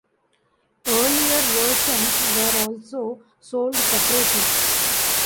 Earlier versions were also sold separately.